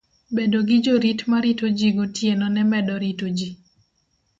Bedo gi jorit ma rito ji gotieno ne medo rito ji